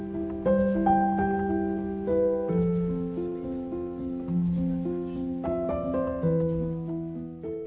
dia bisa menambahkan delapan ribu rupiah dari hasil pembelian